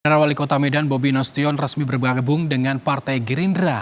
karena wali kota medan bobi nasution resmi bergabung dengan partai gerindra